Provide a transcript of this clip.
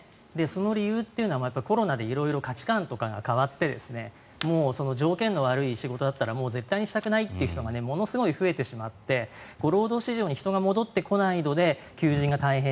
その理由というのはコロナで色々、価値観とかが変わって条件の悪い仕事だったら絶対にしたくないという人がものすごい増えてしまって労働市場に人が戻ってこないので求人が大変。